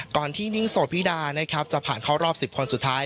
ก่อนที่นิ่งโสพิดานะครับจะผ่านเข้ารอบ๑๐คนสุดท้าย